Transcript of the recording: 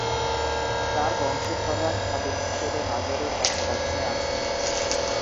তার বংশধররা খাদেম হিসেবে মাজারের তত্ত্বাবধানে আছেন।